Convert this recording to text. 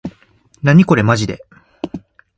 なにこれまじで